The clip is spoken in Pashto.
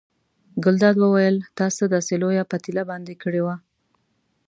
ګلداد وویل تا څه داسې لویه پتیله باندې کړې وه.